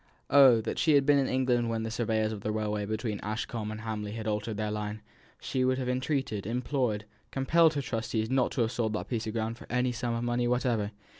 Oh, that she had been in England when the surveyors of the railway between Ashcombe and Hamley had altered their line; she would have entreated, implored, compelled her trustees not to have sold that piece of ground for any sum of money whatever.